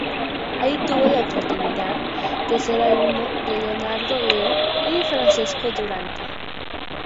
Allí tuvo la oportunidad de ser alumno de Leonardo Leo y Francesco Durante.